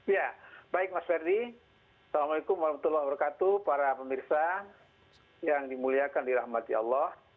ya baik mas ferdi assalamualaikum warahmatullahi wabarakatuh para pemirsa yang dimuliakan dirahmati allah